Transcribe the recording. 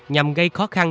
nhằm gây khó khăn